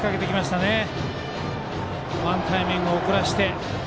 ワンタイミング遅らせて。